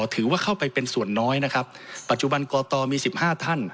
ถือว่าเข้าไปเป็นส่วนน้อยปัจจุบันกตมี๑๕ท่าน